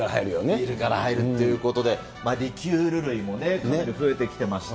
ビールから入るということで、リキュール類も増えてきてまして。